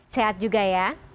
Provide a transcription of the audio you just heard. sehat juga ya